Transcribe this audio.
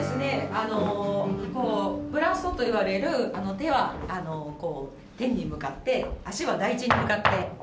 あのブラッソといわれる手は天に向かって足は大地に向かってはい。